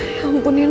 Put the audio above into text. ya ampun nino